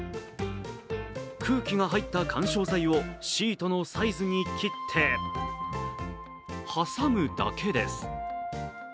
空気が入った緩衝材をシートのサイズに切って挟むだけです。